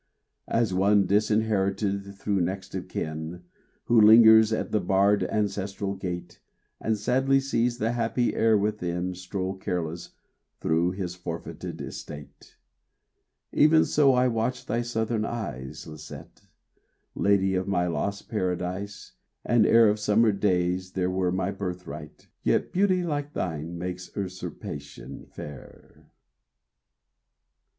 As one disherited, though next of kin, Who lingers at the barred ancestral gate, And sadly sees the happy heir within Stroll careless through his forfeited estate; Even so I watch thy southern eyes, Lisette, Lady of my lost paradise and heir Of summer days there were my birthright. Yet Beauty like thine makes usurpation fair.